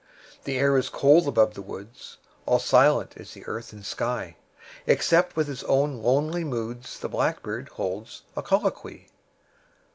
The air is cold above the woods; 5 All silent is the earth and sky, Except with his own lonely moods The blackbird holds a colloquy.